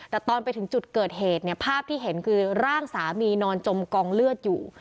แต่ตอนไปถึงจุดเกิดเหตุเนี่ยภาพที่เห็นคือร่างสามีนอนจมกองเลือดอยู่